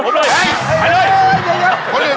ผมเลยไอ้ยเดี๋ยวก่อนหนึ่ง